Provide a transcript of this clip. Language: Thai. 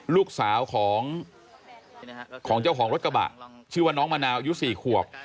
ลูกสาวของเจ้าของรถกระบะชื่อว่าน้องมะนาวอายุ๔ขวบ